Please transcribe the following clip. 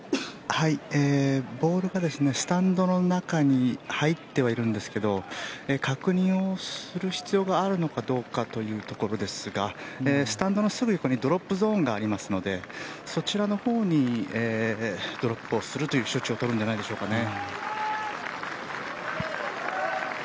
ボールがスタンドの中に入ってはいるんですけど確認をする必要があるのかどうかというところですがスタンドのすぐ横にドロップゾーンがありますのでそちらのほうにドロップをするという処置を取るんじゃないでしょうかね。